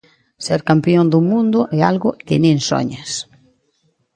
Ser campión do mundo é algo que nin soñas.